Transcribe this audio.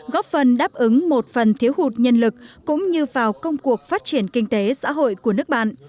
góp phần đáp ứng một phần thiếu hụt nhân lực cũng như vào công cuộc phát triển kinh tế xã hội của nước bạn